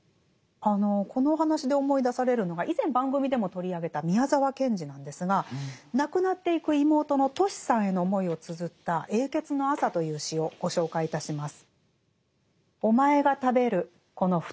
このお話で思い出されるのが以前番組でも取り上げた宮沢賢治なんですが亡くなっていく妹のトシさんへの思いをつづった「永訣の朝」という詩をご紹介いたします。